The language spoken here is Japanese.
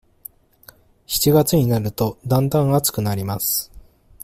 七月になると、だんだん暑くなります。